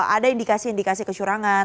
ada indikasi indikasi kesurangan